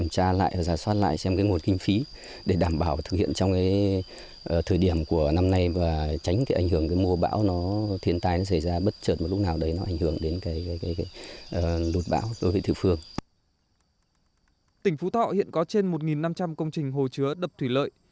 tỉnh phú thọ hiện có trên một năm trăm linh công trình hồ chứa đập thủy lợi